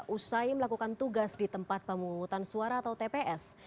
usai melakukan tugas di tempat pemungutan suara atau tps